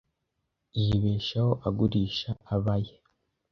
Yibeshaho agurisha aba ye.